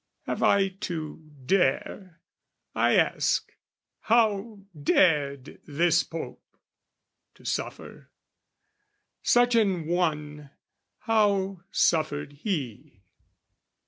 Have I to dare, I ask, how dared this Pope? To suffer? Suchanone, how suffered he?